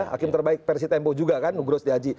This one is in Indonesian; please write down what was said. hakim terbaik versi tempo juga kan nugroh setiaji